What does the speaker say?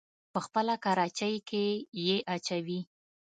په خپله کراچۍ کې يې اچوي.